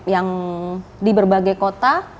yang di berbagai kota